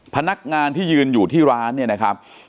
พนักงานที่ยืนอยู่ที่ร้านเนี่ยนะครับ